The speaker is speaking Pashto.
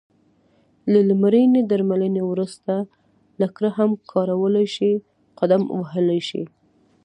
له لمرینې درملنې وروسته لکړه هم کارولای شې، قدم وهلای شې.